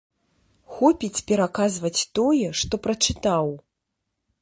Хопіць пераказваць тое, што прачытаў.